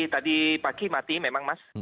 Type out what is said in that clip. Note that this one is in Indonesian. tadi pagi mati memang mas